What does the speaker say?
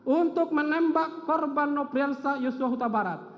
untuk menembak korban nopiansa yosua kutabarat